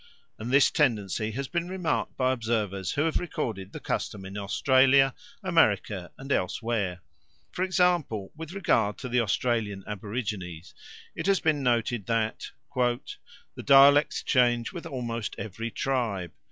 And this tendency has been remarked by observers who have recorded the custom in Australia, America, and elsewhere. For example, with regard to the Australian aborigines it has been noted that "the dialects change with almost every tribe.